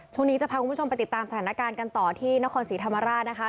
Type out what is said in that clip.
ช่วงนี้จะพาคุณผู้ชมไปติดตามสถานการณ์กันต่อที่นครศรีธรรมราชนะคะ